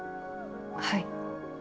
はい。